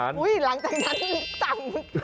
หลังจากนั้นอีกจังทุก๕นาทีเลย